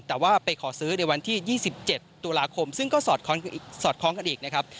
แต่ว่าไปขอซื้อในวันที่๒๗ตุลาคมซึ่งก็สอดคล้องกันอีกนะครับ